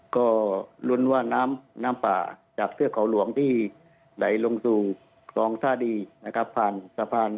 ก็ลุ้นว่าน้ำน้ำป่าจากเทือกเขาหลวงที่ไหลลงสู่คลองท่าดีนะครับผ่านสะพาน